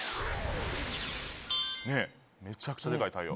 めちゃくちゃデカい太陽。